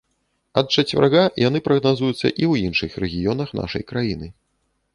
Ад чацвярга яны прагназуюцца і ў іншых рэгіёнах нашай краіны.